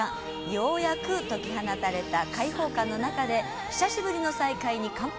ようやく解き放たれた解放感の中で久しぶりの再会に乾杯。